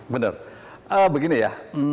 benar begini ya